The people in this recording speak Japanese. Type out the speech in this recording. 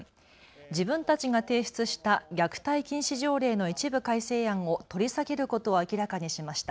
自分たちが提出した虐待禁止条例の一部改正案を取り下げることを明らかにしました。